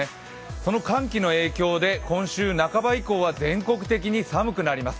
その寒気の影響で今週半ば以降は全国的に寒くなります。